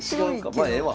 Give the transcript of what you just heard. まあええわ。